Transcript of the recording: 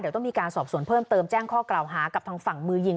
เดี๋ยวต้องมีการสอบสวนเพิ่มเติมแจ้งข้อกล่าวหากับทางฝั่งมือยิง